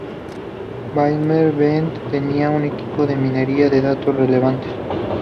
Daimler-Benz tenía un equipo de minería de datos relevante.